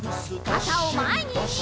かたをまえに！